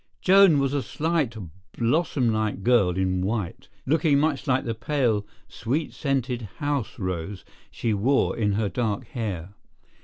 Joan was a slight, blossom like girl in white, looking much like the pale, sweet scented house rose she wore in her dark hair.